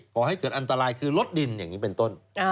ขอให้เกิดอันตรายคือลดดินอย่างนี้เป็นต้น